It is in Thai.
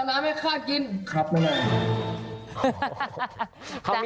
ข้าวขวยขาวน่ะสิ